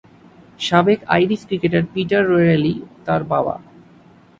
সাবেক Irish cricketer Peter O'Reilly তার বাবা।